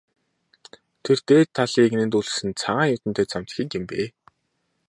Тэр дээд талын эгнээнд өлгөсөн цагаан юүдэнтэй цамц хэд юм бэ?